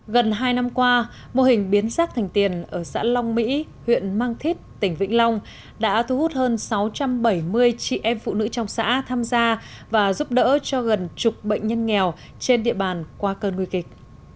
gần hai năm qua mô hình biến rác thành tiền ở xã long mỹ huyện mang thít tỉnh vĩnh long đã thu hút hơn sáu trăm bảy mươi chị em phụ nữ trong xã tham gia và giúp đỡ cho gần chục bệnh nhân nghèo trên địa bàn qua cơn nguy kịch